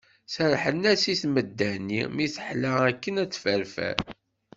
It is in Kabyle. Serrḥen-as i tmedda-nni mi teḥla, akken ad tefferfer.